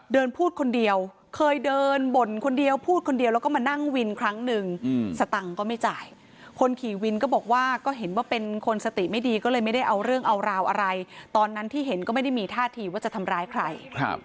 เดินพูดคนเดียวเคยเดินบ่นคนเดียวพูดคนเดียวแล้วก็มานั่งวินครั้งหนึ่งสตังค์ก็ไม่จ่ายคนขี่วินก็บอกว่าก็เห็นว่าเป็นคนสติไม่ดีก็เลยไม่ได้เอาเรื่องเอาราวอะไรตอนนั้นที่เห็นก็ไม่ได้มีท่าทีว่าจะทำร้ายใคร